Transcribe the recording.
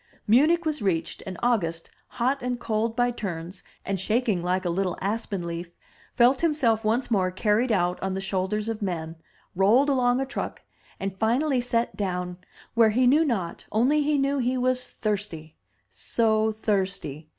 Munich was reached, and August, hot and cold by turns, and shaking like a little aspen leaf, felt himself once more carried out on the shoulders of men, rolled along on a truck, and finally set down, where he knew not, only he knew he was thirsty — so thirsty!